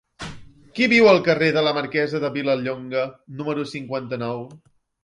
Qui viu al carrer de la Marquesa de Vilallonga número cinquanta-nou?